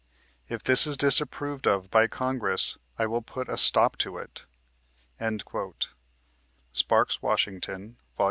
If this is disapproved of by Congress, I will put a stop to it," — Sparks Washington, vol.